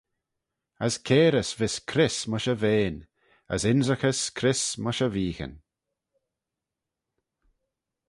As cairys vees cryss mysh e vean, as ynrickys cryss mysh e veeghyn.